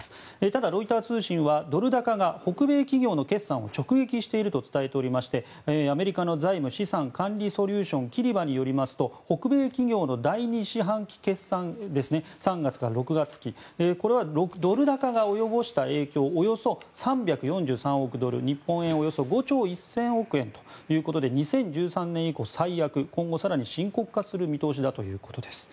ただ、ロイター通信はドル高が北米企業の決算を直撃していると伝えておりましてアメリカの財務・資産管理ソリューションキリバによりますと北米企業の第２四半期決算３月から６月期これはドル高が及ぼした影響およそ３４３億ドル日本円でおよそ５兆１０００億円ということで２０１３年以降、最悪今後更に深刻化する見通しだということです。